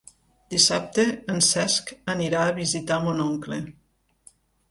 Dissabte en Cesc anirà a visitar mon oncle.